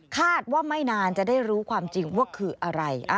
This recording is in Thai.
คาดว่าไม่นานจะได้รู้ความจริงว่าคืออะไร